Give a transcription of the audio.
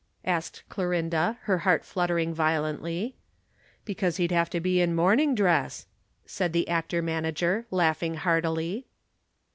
asked Clorinda, her heart fluttering violently. "Because he'd have to be in morning dress," said the actor manager, laughing heartily.